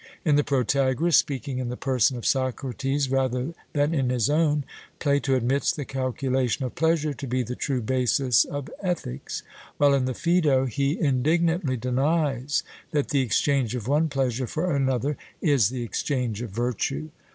In the Protagoras, speaking in the person of Socrates rather than in his own, Plato admits the calculation of pleasure to be the true basis of ethics, while in the Phaedo he indignantly denies that the exchange of one pleasure for another is the exchange of virtue.